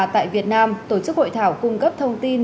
tại việt nam tổ chức hội thảo cung cấp thông tin